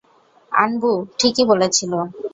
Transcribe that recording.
আনবু ঠিকই বলেছিল।